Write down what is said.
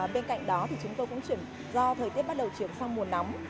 bên cạnh đó do thời tiết bắt đầu chuyển sang mùa nóng